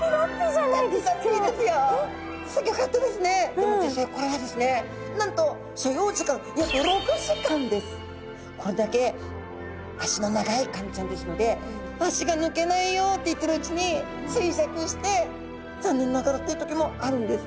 でも実際これはですねなんとこれだけ脚の長いカニちゃんですので脚が抜けないよって言っているうちに衰弱して残念ながらっていう時もあるんです。